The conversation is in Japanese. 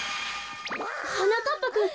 はなかっぱくん。